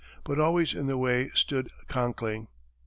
But always in the way stood Conkling.